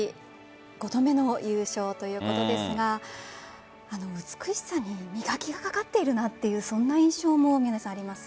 ５度目の優勝ということですが美しさに磨きがかかっているという、そんな印象もあります。